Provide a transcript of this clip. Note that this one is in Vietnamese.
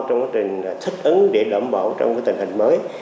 trong quá trình thích ứng để đảm bảo trong tình hình mới